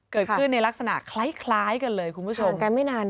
เกิดขึ้นในลักษณะคล้ายกันเลยคุณผู้ชม